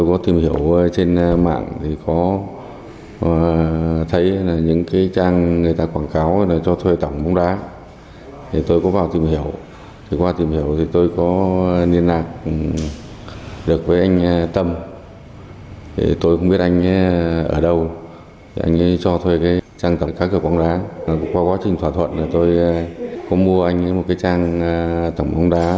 qua quá trình thỏa thuận tôi có mua anh một trang tổng bóng đá